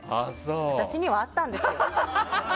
私にはあったんですよ。